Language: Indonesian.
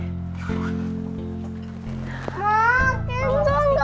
harus nurus sama papanya